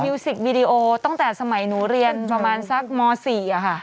สิกวีดีโอตั้งแต่สมัยหนูเรียนประมาณสักม๔ค่ะ